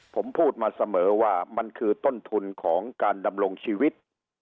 ผมพูดมาเสมอว่ามันคือต้นทุนของการดำรงชีวิต